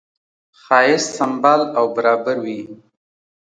ښایست سمبال او برابر وي.